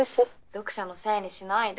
読者のせいにしないで。